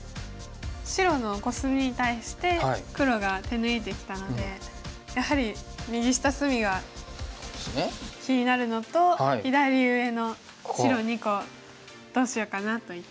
白のコスミに対して黒が手抜いてきたのでやはり右下隅が気になるのと左上の白２個どうしようかなといった。